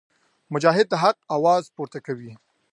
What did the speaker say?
مجاهد د حق اواز پورته کوي.